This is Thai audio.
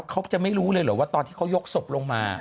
เขาจะไม่รู้เลยเหรอว่าตอนที่เขายกศพลงมา